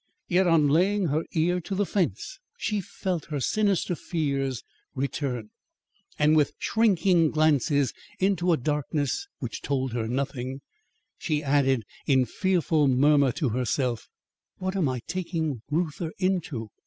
Yet on laying her ear to the fence, she felt her sinister fears return; and, with shrinking glances into a darkness which told her nothing, she added in fearful murmur to herself: "What am I taking Reuther into?